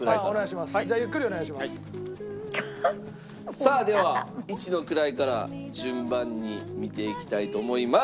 さあでは一の位から順番に見ていきたいと思います。